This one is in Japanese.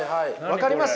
分かります？